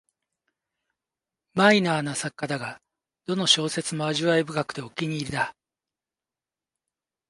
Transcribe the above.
マイナーな作家だが、どの小説も味わい深くてお気に入りだ